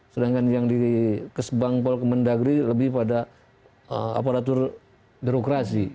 sedangkan yang di kesebangpol kemendagri lebih pada aparatur birokrasi